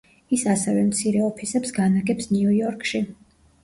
ის ასევე მცირე ოფისებს განაგებს ნიუ-იორკში.